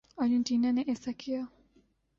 Argentina نے ایسا کیا۔